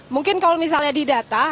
mungkin kalau misalnya di data